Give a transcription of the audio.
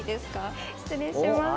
失礼します。